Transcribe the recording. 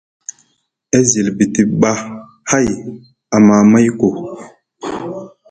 E zilbiti ɓa hay ama mayku.